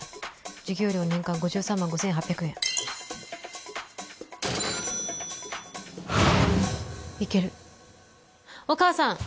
授業料年間５３万５８００円いけるお母さん！